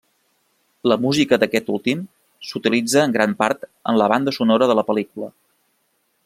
La música d'aquest últim s'utilitza en gran part en la banda sonora de la pel·lícula.